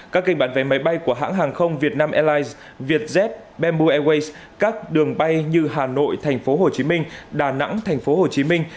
các kênh bán vé máy bay của hãng hàng không việt nam airlines vietjet bamboo airways các đường bay như hà nội thành phố hồ chí minh đà nẵng thành phố hồ chí minh